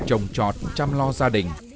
trồng trọt chăm lo gia đình